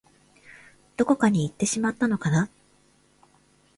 どこかにいってしまったのかな